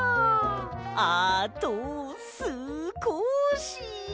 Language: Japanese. あとすこし！